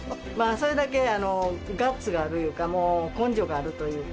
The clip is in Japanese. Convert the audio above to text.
それだけガッツがあるいうか、もう根性があるというか。